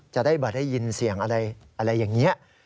จะได้ได้ยินเสียงอะไรอย่างนี้